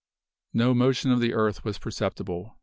No motion of the earth was perceptible.